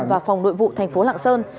và phòng nội vụ thành phố lạng sơn